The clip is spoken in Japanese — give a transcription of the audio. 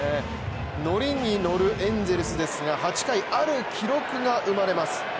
ノリにのるエンゼルスですが８回、ある記録が生まれます。